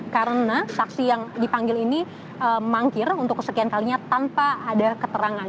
karena saksi yang dipanggil ini mangkir untuk kesekian kalinya tanpa ada keterangan